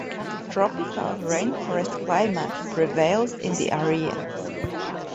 Tropical rainforest climate prevails in the area.